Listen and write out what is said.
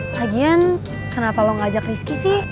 lagian kenapa lo ngajak risky sih